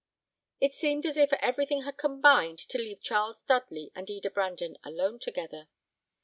It seemed as if everything had combined to leave Charles Dudley and Eda Brandon alone together.